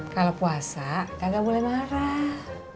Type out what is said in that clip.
kalau puasa kagak boleh marah